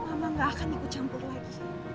mama gak akan ikut campur lagi